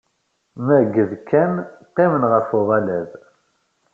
Meg d Ken qqimen ɣef uɣalad.